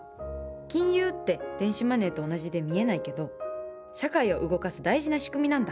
金融って電子マネーと同じで見えないけど社会を動かす大事な仕組みなんだ。